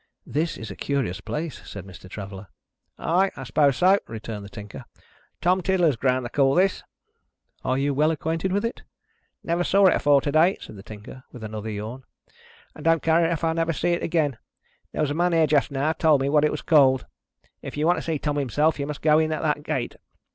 "This is a curious place," said Mr. Traveller. "Ay, I suppose so!" returned the Tinker. "Tom Tiddler's ground, they call this." "Are you well acquainted with it?" "Never saw it afore to day," said the Tinker, with another yawn, "and don't care if I never see it again. There was a man here just now, told me what it was called. If you want to see Tom himself, you must go in at that gate."